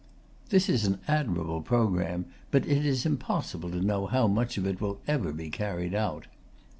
This is an admirable programme, but it is impossible to know how much of it will ever be carried out.